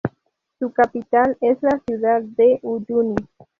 Su capital es la ciudad de Uyuni.